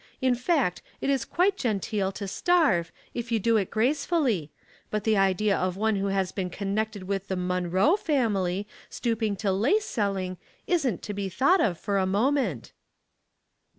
In fact, it is quite genteel to starve, if you do it gracefully ; but the idea of one who had been connected with the Munroe family stooping to lace selling isn't to be thought of for a moment."